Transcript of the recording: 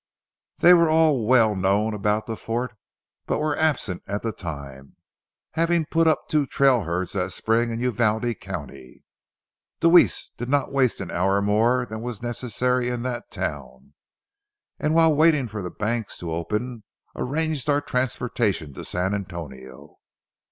They were all well known about the fort, but were absent at the time, having put up two trail herds that spring in Uvalde County. Deweese did not waste an hour more than was necessary in that town, and while waiting for the banks to open, arranged for our transportation to San Antonio.